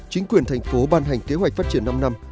chính quyền thành phố ban hành kế hoạch phát triển năm năm